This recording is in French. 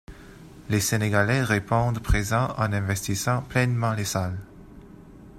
Les Sénégalais répondent présents en investissant pleinement les salles.